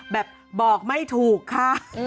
บอกไม่ถูกค่ะ